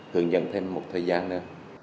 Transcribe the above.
thượng dẫn thêm một thời gian nữa